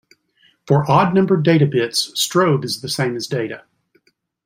For odd-numbered Data bits, Strobe is the same as Data.